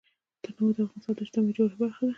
تنوع د افغانستان د اجتماعي جوړښت برخه ده.